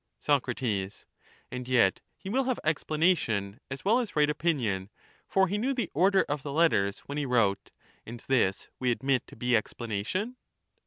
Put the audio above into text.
thmt.tus. Sac. And yet he will have explanation, as well as right Thb is right opinion, for he knew the order of the letters when he wrote ; oniy!^*^ and this we admit to be explanation.